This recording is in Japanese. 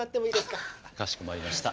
かしこまりました。